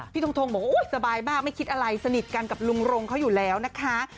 ทงทงบอกว่าอุ๊ยสบายมากไม่คิดอะไรสนิทกันกับลุงรงเขาอยู่แล้วนะคะ